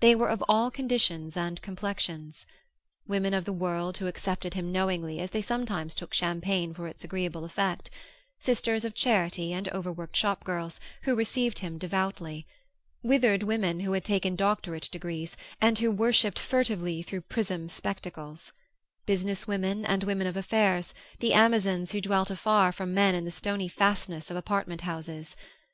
They were of all conditions and complexions. Women of the world who accepted him knowingly as they sometimes took champagne for its agreeable effect; sisters of charity and overworked shopgirls, who received him devoutly; withered women who had taken doctorate degrees and who worshipped furtively through prism spectacles; business women and women of affairs, the Amazons who dwelt afar from men in the stony fastnesses of apartment houses.